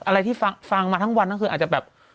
อะไรที่ฟังมาทั้งวันทั้งคืนอาจจะแบบ